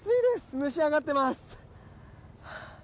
蒸し上がってます。